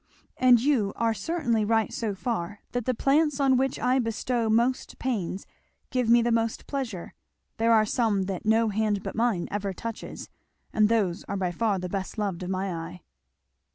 And you are certainly right so far, that the plants on which I bestow most pains give me the most pleasure. There are some that no hand but mine ever touches, and those are by far the best loved of my eye."